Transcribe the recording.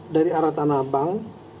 dari arah tanah abang